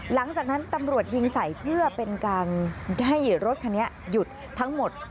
หลังจากนั้นตำรวจยิงใส่เพื่อเป็นการให้รถคันนี้หยุดทั้งหมด